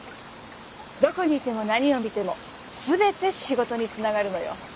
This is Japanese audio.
どこにいても何を見ても全て仕事につながるのよ。